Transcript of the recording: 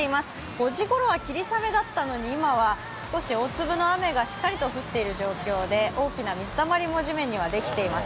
５時ごろは霧雨だったのに今は少し大粒の雨がしっかりと降っている状況で大きな水たまりも地面にはできています。